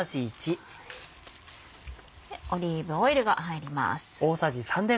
オリーブオイルが入ります。